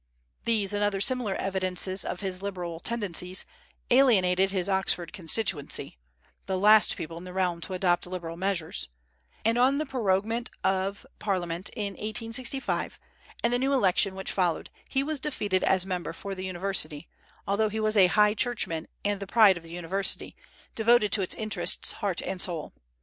These and other similar evidences of his liberal tendencies alienated his Oxford constituency, the last people in the realm to adopt liberal measures; and on the proroguement of Parliament in 1865, and the new election which followed, he was defeated as member for the University, although he was a High Churchman and the pride of the University, devoted to its interests heart and soul.